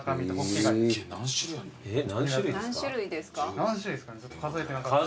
何種類ですかね？